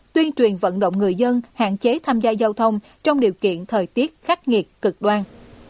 tuyên truyền vận động người dân hạn chế tham gia giao thông trong điều kiện thời tiết khắc nghiệt cực đoan